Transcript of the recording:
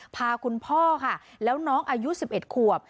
พาคุณพ่อค่ะแล้วน้องอายุ๑๑ขวบ